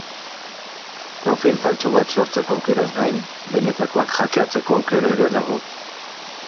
Profil faltsu bat sortzeko aukeraz gain, benetakoak hackeatzeko aukera ere dago.